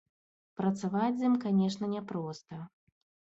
Працаваць з ім, канешне, няпроста.